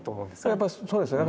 やっぱりそうですよね。